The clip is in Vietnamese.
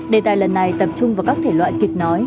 đề tài lần này tập trung vào các thể loại kịch nói